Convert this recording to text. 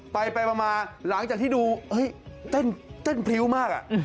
ไปมาหลังจากที่ดูเต้นพริ้วมาก